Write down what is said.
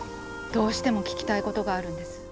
どうしても聞きたいことがあるんです。